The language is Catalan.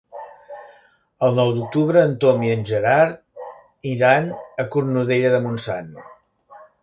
El nou d'octubre en Tom i en Gerard iran a Cornudella de Montsant.